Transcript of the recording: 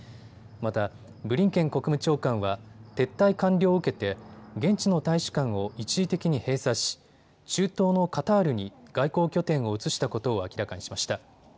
またブリンケン国務長官は撤退完了を受けて現地の大使館を一時的に閉鎖し中東のカタールに外交拠点を移したことを明らかにしました。